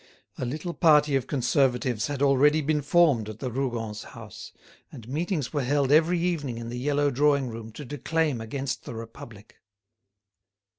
A little party of Conservatives had already been formed at the Rougons' house, and meetings were held every evening in the yellow drawing room to declaim against the Republic.